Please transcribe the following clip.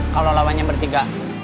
kalau lawannya bertiga